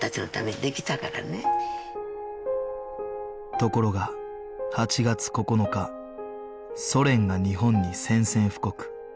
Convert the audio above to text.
ところが８月９日ソ連が日本に宣戦布告